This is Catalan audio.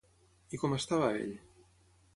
I com estava, ell?